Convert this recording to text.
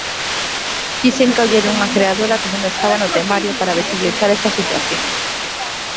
Quixen coller unha creadora que non estaba no temario para visibilizar esta situación.